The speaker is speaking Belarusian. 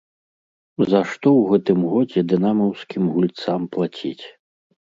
За што ў гэтым годзе дынамаўскім гульцам плаціць?